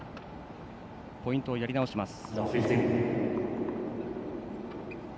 ポイントをやり直します。